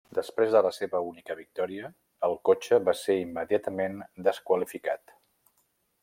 Després de la seva única victòria, el cotxe va ser immediatament desqualificat.